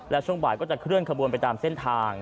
และช่วงบ่ายก็จะเคลื่อนขบวนไปตามเส้นทาง